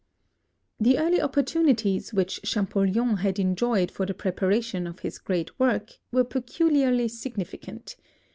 The early opportunities which Champollion had enjoyed for the preparation of his great work were peculiarly significant.